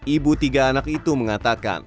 ibu tiga anak itu mengatakan